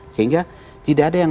sehingga tidak ada yang